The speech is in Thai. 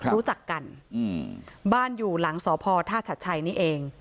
รู้จักกันบ้านอยู่หลังสพท่าชัดชัยนี่เอง